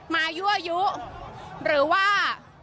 มาย่วยุหรือว่า